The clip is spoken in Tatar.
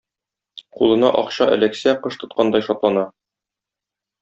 Кулына акча эләксә кош тоткандай шатлана.